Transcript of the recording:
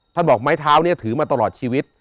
บอกไม้เท้านี้ถือมาตลอดชีวิต